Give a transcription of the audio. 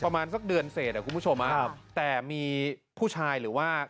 ประมาณสักเดือนเศษอ่ะคุณผู้ชมครับแต่มีผู้ชายหรือว่า